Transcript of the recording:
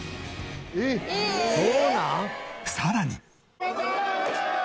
さらに。